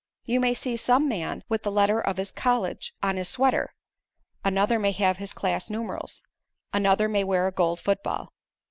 You may see some man with the letter of his college on his sweater, another may have his class numerals, another may wear a gold football.